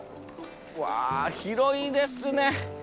うわ広いですね！